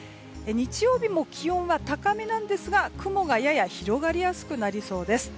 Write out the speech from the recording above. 日曜日も気温は高めなんですが雲がやや広がりやすくなりそうです。